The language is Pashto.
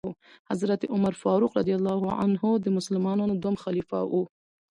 حضرت عمرفاروق رضی الله تعالی عنه د مسلمانانو دوهم خليفه وو .